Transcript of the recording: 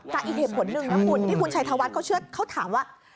กะอิเหตุผลหนึ่งนะคุณที่คุณชัยธวัฒน์เขาถามว่า